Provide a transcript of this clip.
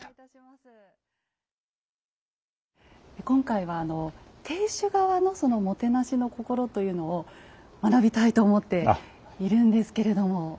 今回はあの亭主側のそのもてなしのこころというのを学びたいと思っているんですけれども。